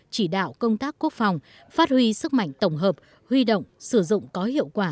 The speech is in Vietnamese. chỉ đạo công tác quốc phòng phát huy sức mạnh tổng hợp huy động sử dụng có hiệu quả